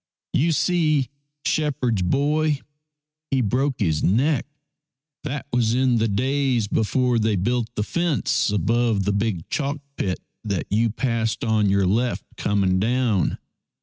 You see, shepherd's boy he broke his neck. ..." That was in the days before they built the 106 SHEPHEKD'S BOY fence above the big chalk pit that you passed on your left coming down.